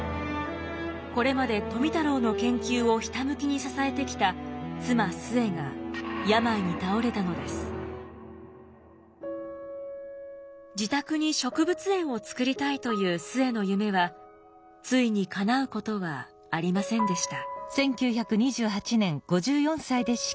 これまで富太郎の研究をひたむきに支えてきた妻壽衛が自宅に植物園を作りたいという壽衛の夢はついにかなうことはありませんでした。